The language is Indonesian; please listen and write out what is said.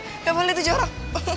eh eh gak boleh tuh jorok